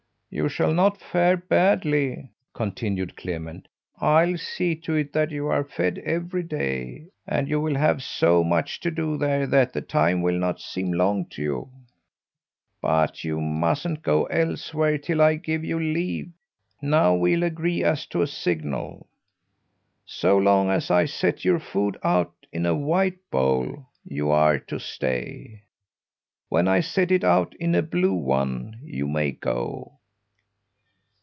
"You shall not fare badly," continued Clement. "I'll see to it that you are fed every day, and you will have so much to do there that the time will not seem long to you. But you mustn't go elsewhere till I give you leave. Now we'll agree as to a signal. So long as I set your food out in a white bowl you are to stay. When I set it out in a blue one you may go."